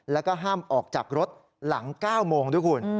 แล้วก็ห้ามออกจากรถหลัง๙โมงด้วยคุณ